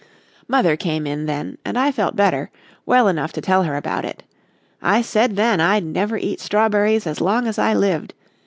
"Mother came in then, and I felt better well enough to tell her about it. I said then I'd never eat strawberries as long as I lived.